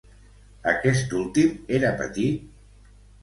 Aquest últim, era petit?